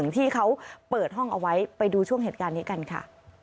ที่เขาเปิดห้องเอาไว้ไปดูช่วงเหตุการณ์นี้กันค่ะ